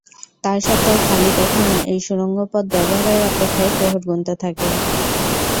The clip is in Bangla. তা সত্ত্বেও খালিদ এখনও এই সুড়ঙ্গ পথ ব্যবহারের অপেক্ষায় প্রহর গুণতে থাকেন।